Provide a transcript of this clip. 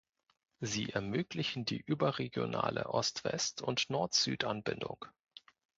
Sie ermöglichen die überregionale Ost-West- und Nord-Süd-Anbindung.